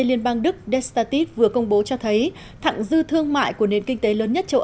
liên bang đức destatis vừa công bố cho thấy thẳng dư thương mại của nền kinh tế lớn nhất châu